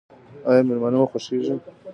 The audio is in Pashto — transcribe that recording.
ایا میلمانه مو خوښیږي؟